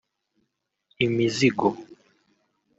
imizigo